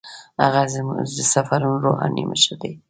هغه زموږ د سفرونو روحاني مشر دی.